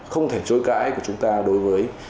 không thể chối cãi của chúng ta đối với